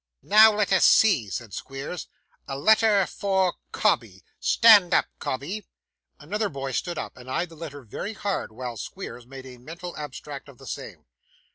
'Now let us see,' said Squeers. 'A letter for Cobbey. Stand up, Cobbey.' Another boy stood up, and eyed the letter very hard while Squeers made a mental abstract of the same.